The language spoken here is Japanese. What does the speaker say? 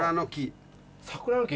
桜の木。